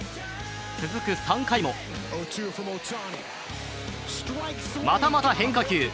続く３回もまたまた変化球。